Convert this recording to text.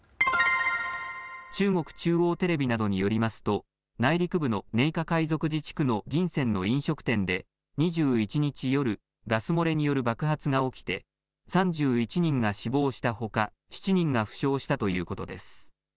中国中央テレビなどによりますと内陸部の寧夏回族自治区の銀川の飲食店で２１日夜、ガス漏れによる爆発が起きて３１人が死亡したほか、７人が負傷したということです。